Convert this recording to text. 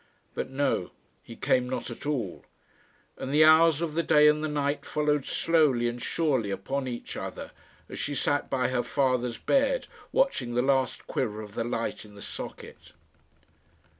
But no; he came not at all; and the hours of the day and the night followed slowly and surely upon each other, as she sat by her father's bed watching the last quiver of the light in the socket.